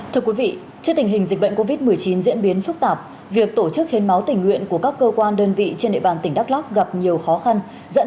thưa quý vị trước tình hình dịch bệnh covid một mươi chín diễn biến phức tạp việc tổ chức hiến máu tình nguyện của các cơ quan đơn vị trên địa bàn tỉnh đắk lóc gặp nhiều khó khăn